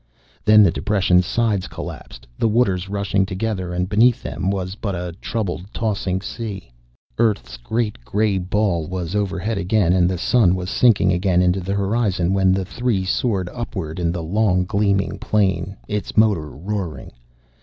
Then the depression's sides collapsed, the waters rushing together ... and beneath them was but troubled, tossing sea.... Earth's great gray ball was overhead again and the sun was sinking again to the horizon when the three soared upward in the long, gleaming plane, its motor roaring.